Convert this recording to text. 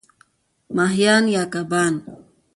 ماهیان √ کبان